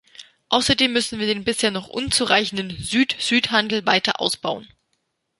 Außerdem müssen wir den bisher noch unzureichenden Süd-Süd-Handel weiter ausbauen.